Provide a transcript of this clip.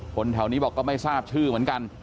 แถวนี้บอกก็ไม่ทราบชื่อเหมือนกัน